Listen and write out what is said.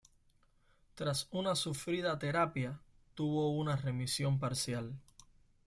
Tras una sufrida terapia, tuvo una remisión parcial.